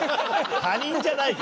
他人じゃないから。